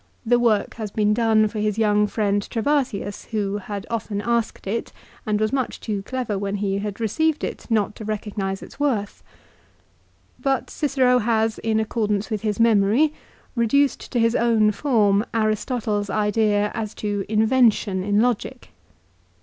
The work has been done for his young friend Trebatius, who had often asked it and was much too clever when he had received it not to recognise its worth. But Cicero has, in accordance with his memory, reduced to his own form Aristotle's idea as to "invention" in logic.